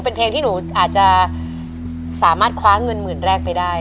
เป็นเพลงที่หนูอาจจะสามารถคว้าเงินหมื่นแรกไปได้